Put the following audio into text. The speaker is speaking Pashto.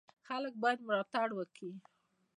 خلک باید ملاتړ وکړي.